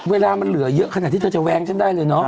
เวลามันเหลือเยอะขนาดที่เธอจะแว้งฉันได้เลยเนาะ